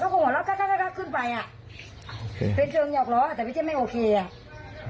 เขาก็หัวแล้วขึ้นไปอ่ะเป็นเชิงหยอกหรอแต่พี่เจ้าไม่โอเคอ่ะ